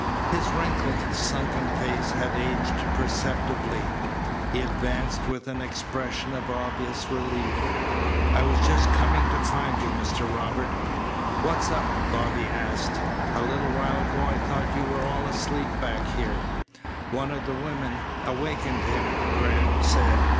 His wrinkled, sunken face had aged perceptibly. He advanced with an expression of obvious relief. "I was just coming to find you, Mr. Robert." "What's up?" Bobby asked. "A little while ago I thought you were all asleep back here." "One of the women awakened him," Graham said.